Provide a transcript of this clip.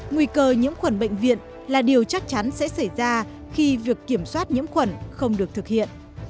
nguy cơ nhiễm khuẩn bệnh viện là điều chắc chắn sẽ xảy ra khi việc kiểm soát nhiễm khuẩn không được thực hiện